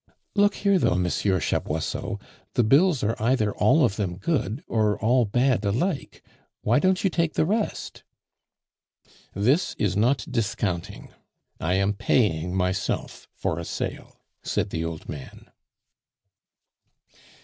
"Look here, though, M. Chaboisseau, the bills are either all of them good, or all bad alike; why don't you take the rest?" "This is not discounting; I am paying myself for a sale," said the old man.